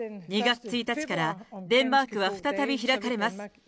２月１日からデンマークは再び開かれます。